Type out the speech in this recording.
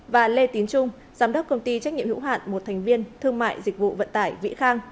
và lê tín trung giám đốc công ty trách nhiệm hữu hạn một thành viên thương mại dịch vụ vận tải vĩ khang